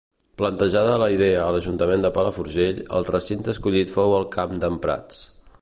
Plantejada la idea a l’ajuntament de Palafrugell el recinte escollit fou el Camp d’en Prats.